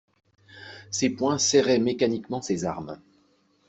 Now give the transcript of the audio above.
Ses poings serraient mécaniquement ses armes.